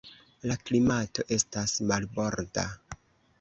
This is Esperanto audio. La klimato estas marborda.